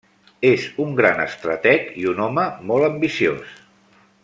És un gran estrateg i un home molt ambiciós.